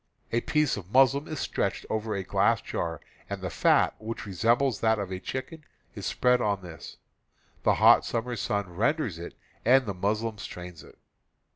A piece of muslin is stretched over a glass jar, and the fat, which resembles that of a chicken, is spread on this. The hot summer sun ren ders it, and the muslin strains it.